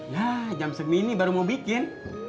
yah jam segini baru mau bikin